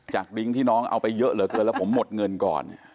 ริ้งที่น้องเอาไปเยอะเหลือเกินแล้วผมหมดเงินก่อน